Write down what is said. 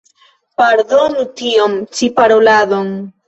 Pardonu tiun ĉi paroladon.